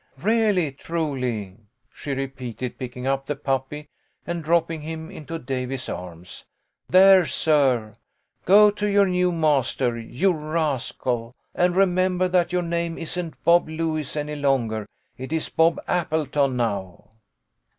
" Really, truly," she repeated, picking up the puppy and dropping him into Davy's arms. " There, sir ! Go to your new master, you rascal, and remem ber that your name isn't Bob Lewis any longer. It is Bob Appleton now."